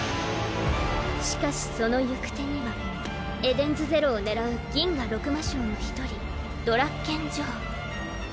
しかしその行く手にはエデンズゼロを狙う銀河六魔将の１人ドラッケン・ジョー。